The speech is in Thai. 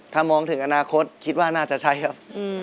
ถ้ามองถึงอนาคตคิดว่าน่าจะใช่ครับ